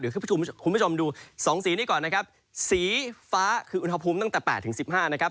คุณผู้ชมดูสองสีนี้ก่อนนะครับสีฟ้าคืออุณหภูมิตั้งแต่๘๑๕นะครับ